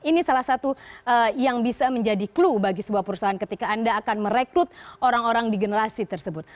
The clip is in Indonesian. ini salah satu yang bisa menjadi clue bagi sebuah perusahaan ketika anda akan merekrut orang orang di generasi tersebut